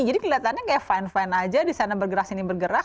jadi kelihatannya kayak fine fine aja di sana bergerak sini bergerak